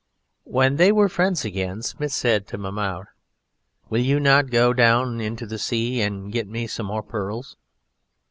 When they were friends again. Smith said to Mahmoud: "Will you not go down into the sea and get me some more pearls?"